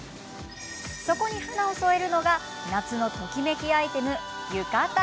そこに華を添えるのが夏のときめきアイテム、浴衣。